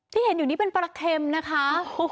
ที่เห็นอยู่นี่เป็นปลาเค็มนะคะ